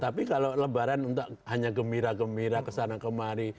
tapi kalau lebaran untuk hanya gemira gemira kesana kemari